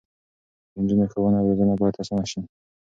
د نجونو ښوونه او روزنه باید اسانه شي.